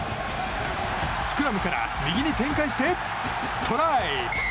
スクラムから右に展開してトライ！